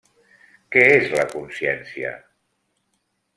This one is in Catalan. Què és la consciència?